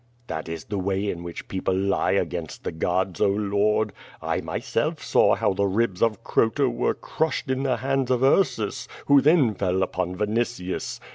"That is the way in which people lie against the gods. Oh lord! I myself saw how the ribs of Croto were crushed in the hands of Ursus, who then fell upon Vinitius.